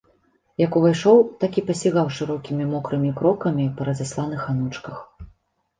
Як увайшоў, так і пасігаў шырокімі мокрымі крокамі па разасланых анучках.